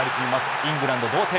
イングランド同点。